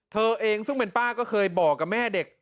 เธอเองซึ่งเป็นป้าก็เคยบอกกับแม่เด็ก